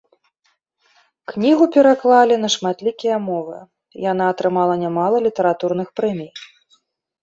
Кнігу пераклалі на шматлікія мовы, яна атрымала нямала літаратурных прэмій.